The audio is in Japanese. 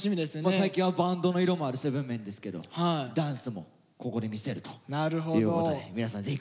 最近はバンドの色もあるセブンメンですけどダンスもここで見せるということで皆さんぜひご期待下さい。